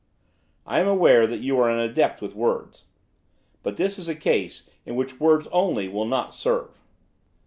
'I am aware that you are an adept with words. But this is a case in which words only will not serve.